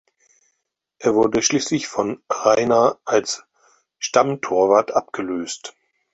Er wurde schließlich von Reina als Stammtorwart abgelöst.